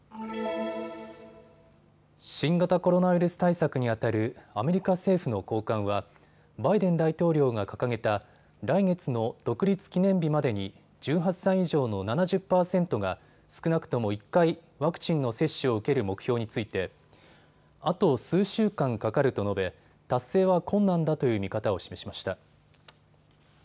新型コロナウイルス対策にあたるアメリカ政府の高官はバイデン大統領が掲げた来月の独立記念日までに１８歳以上の７０％が少なくとも１回、ワクチンの接種を受ける目標についてあと数週間かかると述べ達成は困難だという見方を示しました。